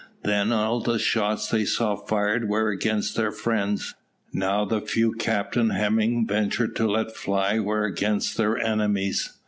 Then all the shots they saw fired were against their friends; now the few Captain Hemming ventured to let fly were against their enemies.